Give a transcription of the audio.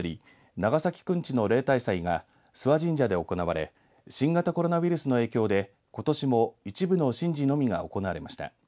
長崎くんちの例大祭が諏訪神社で行われ新型コロナウイルスの影響でことしも一部の神事のみが行われました。